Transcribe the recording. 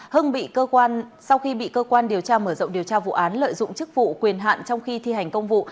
hưng sau khi bị cơ quan điều tra mở rộng điều tra vụ án lợi dụng chức vụ quyền hạn trong khi thi hành công vụ